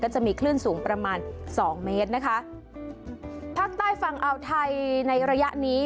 จะมีคลื่นสูงประมาณสองเมตรนะคะภาคใต้ฝั่งอ่าวไทยในระยะนี้